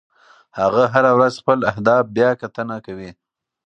هغه هره ورځ خپل اهداف بیاکتنه کوي.